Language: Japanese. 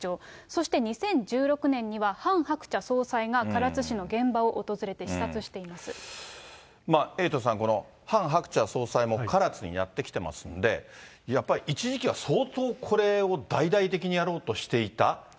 そして２０１６年には、ハン・ハクチャ総裁が唐津市の現場を訪れエイトさん、ハン・ハクチャ総裁も唐津にやって来てますんで、やっぱり一時期は相当これを大々的にやろうとしていた。